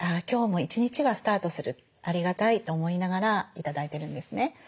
今日も一日がスタートするありがたいと思いながら頂いてるんですね。